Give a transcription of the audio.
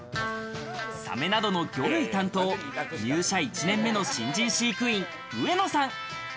サメなどの魚類担当、入社１年目の新人飼育員・上野さん。